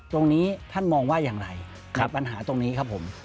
ตรงนี้ท่านมองว่าอย่างไรในปัญหาตรงนี้ครับผม